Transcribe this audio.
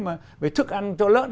mà về thức ăn cho lớn